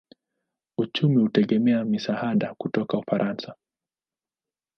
Uchumi hutegemea misaada kutoka Ufaransa.